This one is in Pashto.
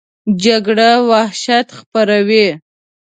جګړه وحشت خپروي